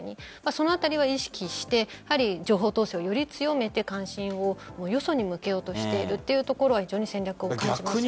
そのあたりは意識して情報統制をより詰めて、関心をよそに向けようとしているというところが非常に強く感じます。